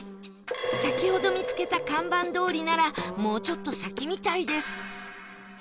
先ほど見つけた看板どおりならもうちょっと先みたいです